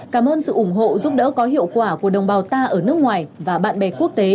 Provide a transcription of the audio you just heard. cảm ơn sự ủng hộ giúp đỡ có hiệu quả của đồng bào ta ở nước ngoài và bạn bè quốc tế